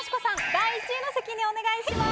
第１位の席にお願いします。